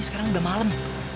ini sekarang udah malem